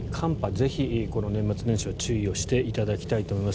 ぜひこの年末年始は注意していただきたいと思います。